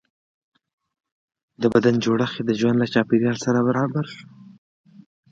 د بدن جوړښت یې د ژوند له چاپېریال سره برابر شو.